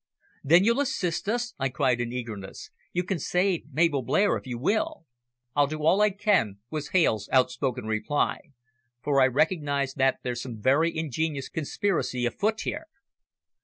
"Then you'll assist us?" I cried in eagerness. "You can save Mabel Blair if you will?" "I'll do all I can," was Hales' outspoken reply, "for I recognise that there's some very ingenious conspiracy afoot somewhere."